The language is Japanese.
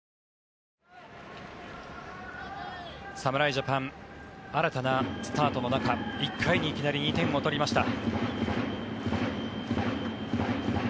侍ジャパン新たなスタートの中１回にいきなり２点を取りました。